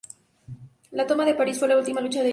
La toma de París fue la última lucha de Yorck.